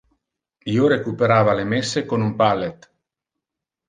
Io recuperava le messe con un pallet.